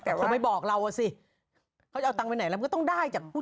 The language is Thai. เอาบ้านไหนทั้งจะได้จาก